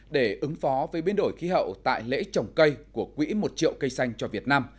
để ứng phó với biến đổi khí hậu tại lễ trồng cây của quỹ một triệu cây xanh cho việt nam